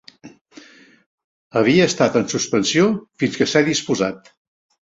Havia estat en suspensió fins que s'ha dipositat.